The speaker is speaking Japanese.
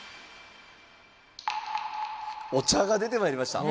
お茶が出てまいりました。